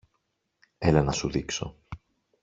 Έλα να σου δείξω.